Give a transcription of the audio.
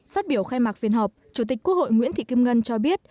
phát biểu khai mạc phiên họp chủ tịch quốc hội nguyễn thị kim ngân cho biết